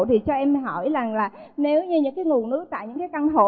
thì cho em hỏi rằng là nếu như những cái nguồn nước tại những cái căn hộ